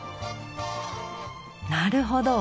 なるほど。